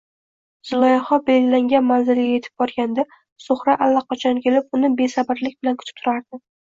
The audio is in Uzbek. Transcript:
Zulayho belgilangan manzilga etib borganida, Zuhra allaqachon kelib uni besabrlik bilan kutib turardi